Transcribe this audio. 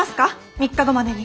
３日後までに。